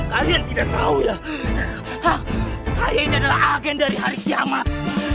kalian tidak tahu ya saya ini adalah agen dari hari kiamat